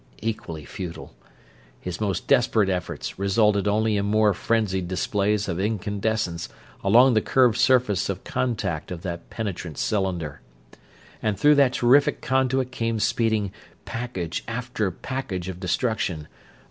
Equally futile. His most desperate efforts resulted only in more frenzied displays of incandescence along the curved surface of contact of that penetrant cylinder. And through that terrific conduit came speeding package after package of destruction.